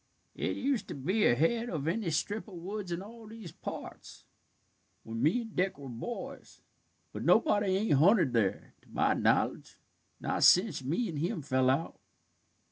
"It used to be ahead of any strip of woods in all these parts, when me and Dick was boys. But nobody ain't hunted there, to my knowledge, not sence me and him fell out."